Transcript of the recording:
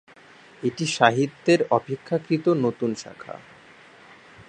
এটি সাহিত্যের অপেক্ষাকৃত নতুন শাখা।